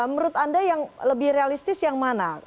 menurut anda yang lebih realistis yang mana